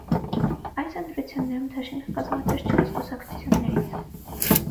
Այս ընտրություններում դաշինքը կազմված էր չորս կուսակցություններից։